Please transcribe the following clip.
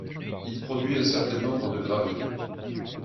Il produit un certain nombre de gravures.